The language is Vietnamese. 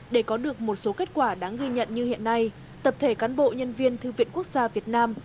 để có được một số kết quả đáng ghi nhận như hiện nay tập thể cán bộ nhân viên thư viện quốc gia việt nam